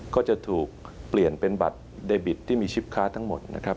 ก็จะถูกเปลี่ยนเป็นบัตรเดบิตที่มีชิปค้าทั้งหมดนะครับ